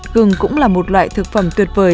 gừng cũng là một loại thực phẩm tuyệt vời